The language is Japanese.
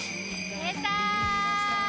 出た。